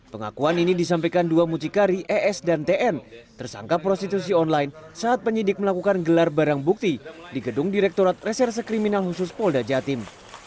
pengakuan ini disampaikan dua mucikari es dan tn tersangka prostitusi online saat penyidik melakukan gelar barang bukti di gedung direktorat reserse kriminal khusus polda jatim